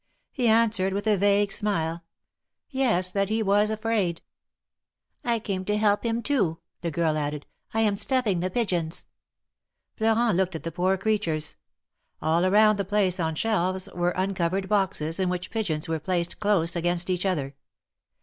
He answered, with a vague smile, Yes, that he was afraid." came to help him, too," the girl added. am stuffing the pigeons." Florent looked at the poor creatures. All around the place on shelves were uncovered boxes, in which pigeons were placed close against each other.